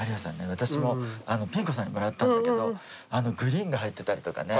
私もピン子さんにもらったんだけどグリーンが入ってたりとかね。